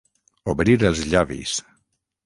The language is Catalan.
Obrir els llavis.